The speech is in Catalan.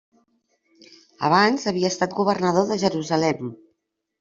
Abans havia estat governador de Jerusalem.